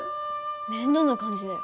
面倒な感じだよ。